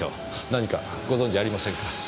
何かご存じありませんか？